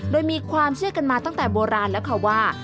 โดยมีความเชื่อกันมาตั้งแต่โบราณแล้วค่ะว่า